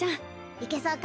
いけそうか？